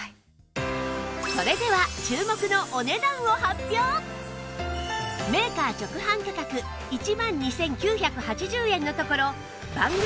それでは注目のメーカー直販価格１万２９８０円のところ